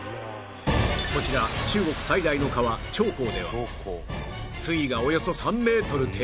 こちら中国最大の川長江では水位がおよそ３メートル低下